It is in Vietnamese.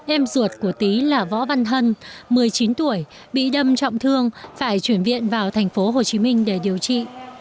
em ruột của tí là võ văn hân một mươi chín tuổi bị đâm trọng thương phải chuyển viện vào thành phố hồ chí minh để điều trị